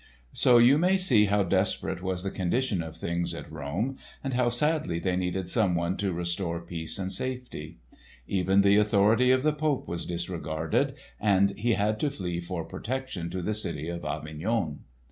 So you may see how desperate was the condition of things at Rome and how sadly they needed someone to restore peace and safety. Even the authority of the Pope was disregarded, and he had to flee for protection to the city of Avignon.